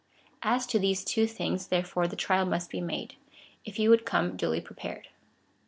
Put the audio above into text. As to these two things, tlierefore, the trial must be made, if you would come duly prepared.